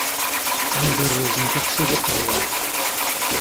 Amberrez n tixsi d uqelwac.